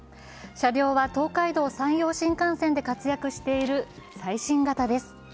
車両は東海道・山陽新幹線で活躍している最新型です。